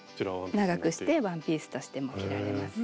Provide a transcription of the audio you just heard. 長くしてワンピースとしても着られます。